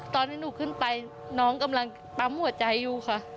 ตอนที่หนูขึ้นไปน้องกำลังปั๊มหัวใจอยู่ค่ะ